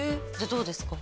どうですか？